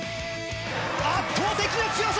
圧倒的な強さ！